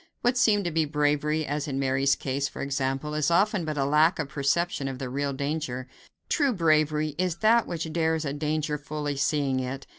What seems to be bravery, as in Mary's case, for example, is often but a lack of perception of the real danger. True bravery is that which dares a danger fully seeing it.